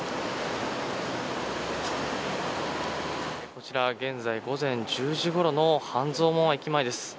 こちら現在午前１０時ごろの半蔵門駅前です。